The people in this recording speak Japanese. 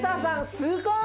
すごい。